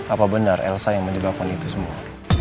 apa benar elsa yang menyebabkan itu semua